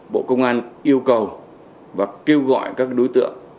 bộ công an yêu cầu và kêu gọi các đối tượng